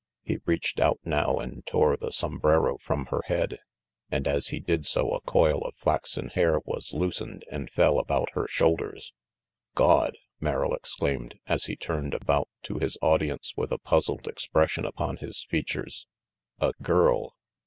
He reached out now and tore the sombrero from her head, and as he did so a coil of flaxen hair was loosened and fell about her shoulders. "Gawd!" Merrill exclaimed, as he turned about to his audience with a puzzled expression upon his features. "A girl!"